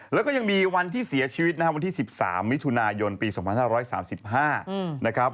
แล้วก็ยังมีวันที่เสียชีวิตนะครับวันที่๑๓มิถุนายนปี๒๕๓๕นะครับ